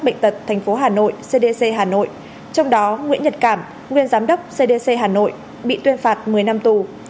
bệnh tật tp hcm trong đó nguyễn nhật cảm nguyên giám đốc cdc hà nội bị tuyên phạt một mươi năm tù